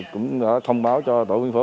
cũng đã thông báo cho tổ quý phố